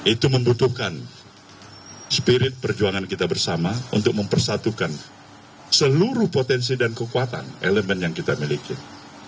itu membutuhkan spirit perjuangan kita bersama untuk mempersatukan seluruh potensi dan kekuatan elemen yang kita miliki